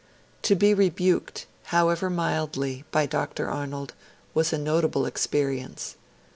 To be rebuked, however mildly, by Dr. Arnold was a Potable experience.